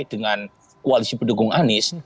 dengan koalisi pendukung anies